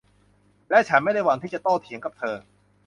และฉันไม่ได้หวังที่จะโต้เถียงกับเธอ